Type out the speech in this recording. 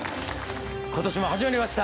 今年も始まりました